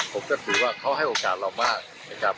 ผมก็ถือว่าเขาให้โอกาสเรามากนะครับ